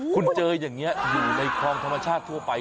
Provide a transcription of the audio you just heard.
คุณเจออย่างนี้อยู่ในคลองธรรมชาติทั่วไป